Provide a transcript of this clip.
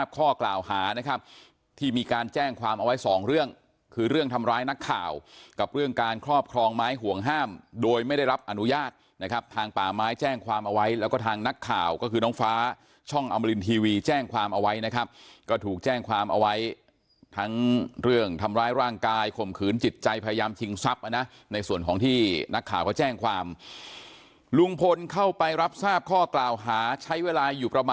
ข้อกล่าวหานะครับที่มีการแจ้งความเอาไว้สองเรื่องคือเรื่องทำร้ายนักข่าวกับเรื่องการครอบครองไม้ห่วงห้ามโดยไม่ได้รับอนุญาตนะครับทางป่าไม้แจ้งความเอาไว้แล้วก็ทางนักข่าวก็คือน้องฟ้าช่องอำรินทีวีแจ้งความเอาไว้นะครับก็ถูกแจ้งความเอาไว้ทั้งเรื่องทำร้ายร่างกายข่มขืนจิตใจพยายามทิ้งทรัพย์นะ